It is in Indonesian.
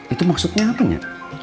itu maksudnya apanya